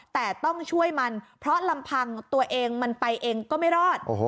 แต่ต้องช่วยมันเพราะลำพังตัวเองมันไปเองก็ไม่รอด